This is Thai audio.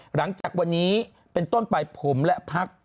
หลังจากวันนี้เป็นต้นไปผมและพัก